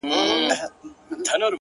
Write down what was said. داسي محراب غواړم ـ داسي محراب راکه ـ